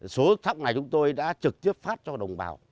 số thóc này chúng tôi đã trực tiếp phát cho đồng bào